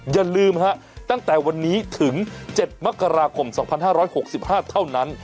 อย่าลืมฮะตั้งแต่วันนี้ถึง๗มกราคม๒๕๖๕เท่านั้น